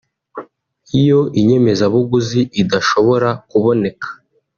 Iyo inyemezabuguzi idashobora kuboneka